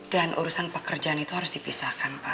dan urusan pekerjaan itu harus dipisahkan pak